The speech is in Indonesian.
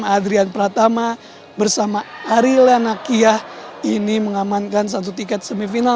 adrian pratama bersama arila nakiyah ini mengamankan satu tiket semifinal